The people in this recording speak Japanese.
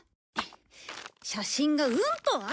写真がうんとある！